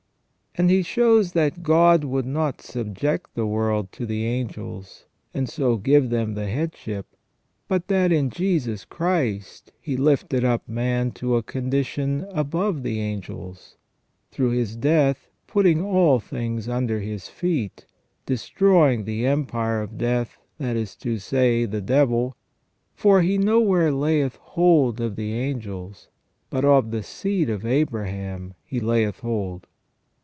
And he AND THE REDEMPTION OF CHRIST 287 shows that God would not subject the world to the angels, and so give them the headship ; but that in Jesus Christ He lifted up man to a condition above the angels, through His death putting all things under His feet, '* destroying the empire of death, that is to say, the devil ". For " He nowhere layeth hold of the angels, but of the seed of Abraham He layeth hold